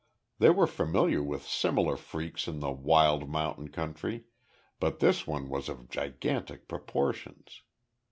They were familiar with similar freaks in the wild mountain country, but this one was of gigantic proportions.